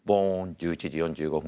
１１時４５分